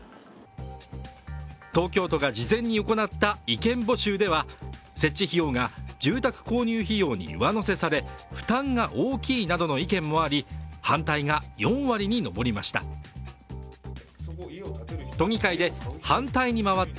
東京都が事前に行った意見募集では、設置費用が住宅購入費用に上乗せされ負担が大きいなどの意見もあり反対が４割に上りました。